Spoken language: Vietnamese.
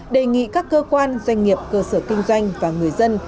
đề nghị các cơ quan doanh nghiệp cơ sở kinh doanh và người dân